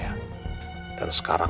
mau duit itu baik